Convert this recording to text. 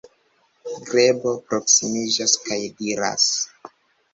Grebo proksimiĝas kaj diras: